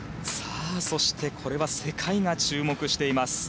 そしてこれは世界が注目しています。